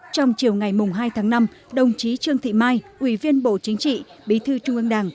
trong chiều ngày hai tháng năm đồng chí trương thị mai ủy viên bộ chính trị bí thư trung ương đảng